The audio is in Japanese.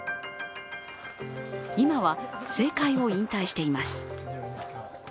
今は政界を引退しています。